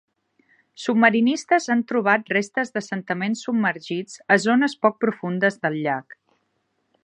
Submarinistes han trobat restes d'assentaments submergits a zones poc profundes del llac.